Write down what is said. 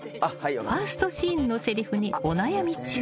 ［ファーストシーンのせりふにお悩み中］